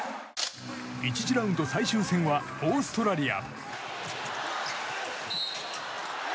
１次ラウンド最終戦はオーストラリア。